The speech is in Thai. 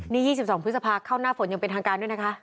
นี่๒๒พฤษภาเข้าหน้าฝนอย่างเป็นทางการด้วยนะคะ